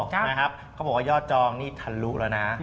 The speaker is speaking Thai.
เขาบอกว่ายอดจองนี่ทะลุแล้วนะ